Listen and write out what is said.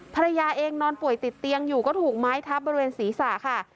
ภรรยาเองนอนป่วยติดเตียงอยู่ก็ถูกไม้ทับบริเวณศีรษะค่ะ